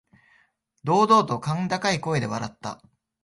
堂々と甲高い声で笑った。